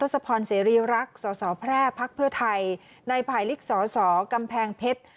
สรีรักษ์สพภไทยในภายลิกสสกำแพงเพชร